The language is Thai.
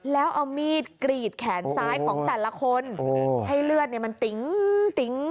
แล้วเอามีดกรีดแขนซ้ายของแต่ละคนให้เลือดเนี่ยมันติ๊งติ๋ง